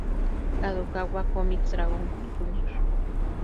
Kadokawa Comics Dragon Jr.